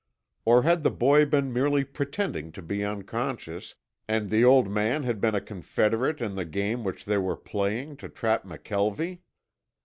Or had the boy been merely pretending to be unconscious, and the old man had been a confederate in the game which they were playing to trap McKelvie?